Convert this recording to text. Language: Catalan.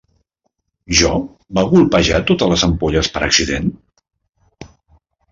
Jo va colpejar totes les ampolles per accident?